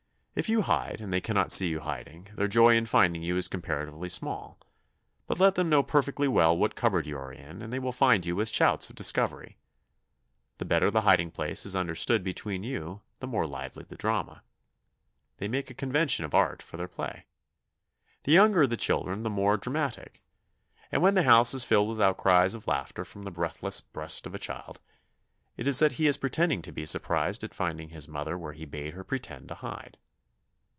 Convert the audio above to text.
If you hide and they cannot see you hiding, their joy in finding you is comparatively small; but let them know perfectly well what cupboard you are in, and they will find you with shouts of discovery. The better the hiding place is understood between you the more lively the drama. They make a convention of art for their play. The younger the children the more dramatic; and when the house is filled with outcries of laughter from the breathless breast of a child, it is that he is pretending to be surprised at finding his mother where he bade her pretend to hide.